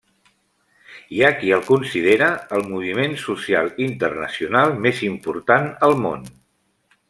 Hi ha qui el considera el moviment social internacional més important al món.